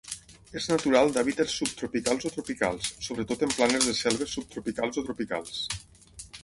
És natural d'hàbitats subtropicals o tropicals, sobretot en planes de selves subtropicals o tropicals.